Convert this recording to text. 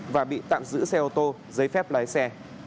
và bị tạm giữ xe ô tô giấy phép lái xe